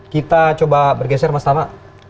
kita coba bergeser mas tama